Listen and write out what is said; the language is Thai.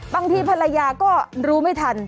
บางทีภรรยาก็รู้ไม่ทัน